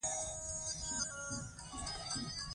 دوی د یرغلګرو پر وړاندې دریدل